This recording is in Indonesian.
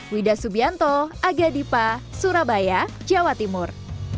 wida subianto aga dipa surabaya jawa timur